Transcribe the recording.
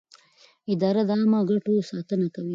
اداره د عامه ګټو ساتنه کوي.